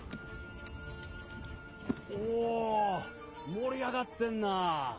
お盛り上がってんな！